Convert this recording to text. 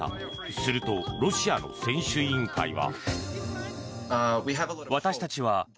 するとロシアの選手委員会は。